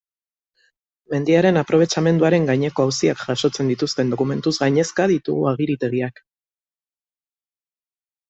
Mendiaren aprobetxamenduaren gaineko auziak jasotzen dituzten dokumentuz gainezka ditugu agiritegiak.